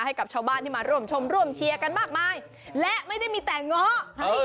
ให้กับชาวบ้านที่มาร่วมชมร่วมเชียร์กันมากมายและไม่ได้มีแต่เงาะ